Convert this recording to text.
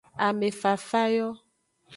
Ame fafa yo.